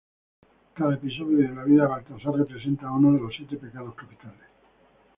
Cada episodio en la vida de Baltasar representa uno de los siete pecados capitales.